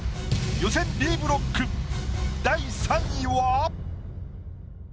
予選Ｂブロック第３位は？